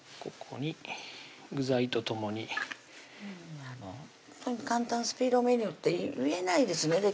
ここに具材と共にほんとに「簡単スピードメニュー」って言えないですね